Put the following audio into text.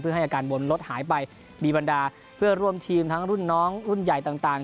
ให้อาการบนรถหายไปมีบรรดาเพื่อร่วมทีมทั้งรุ่นน้องรุ่นใหญ่ต่าง